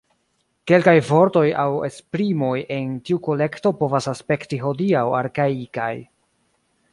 Kelkaj vortoj aŭ esprimoj en tiu kolekto povas aspekti hodiaŭ arkaikaj.